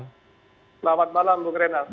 selamat malam bung renal